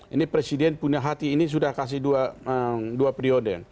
ini presiden punya hati ini sudah kasih dua periode